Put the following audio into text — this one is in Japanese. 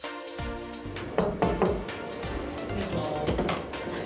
失礼します。